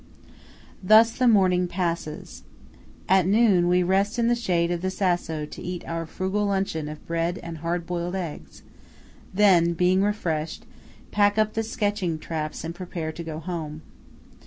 Thus the morning passes. At noon, we rest in the shade of the Sasso to eat our frugal luncheon of bread and hard boiled eggs; then, being refreshed, pack up the sketching traps and prepare to go home.